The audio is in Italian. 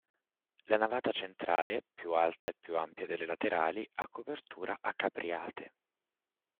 La navata centrale, più alta e più ampia delle laterali, ha copertura a capriate.